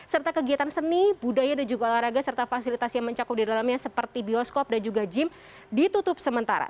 serta kegiatan seni budaya dan juga olahraga serta fasilitas yang mencakup di dalamnya seperti bioskop dan juga gym ditutup sementara